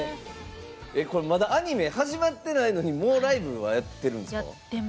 まだアニメ始まったないのにもうライブはやってるんですか。